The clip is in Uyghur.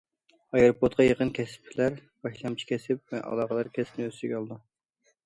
ئايروپورتقا يېقىن كەسىپلەر باشلامچى كەسىپ ۋە ئالاقىدار كەسىپنى ئۆز ئىچىگە ئالىدۇ.